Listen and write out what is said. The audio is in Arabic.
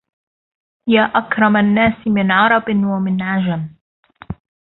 يا أكرم الناس من عرب ومن عجم